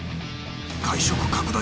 外食拡大